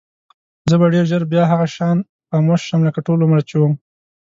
زه به ډېر ژر بیا هغه شان خاموشه شم لکه ټول عمر چې وم.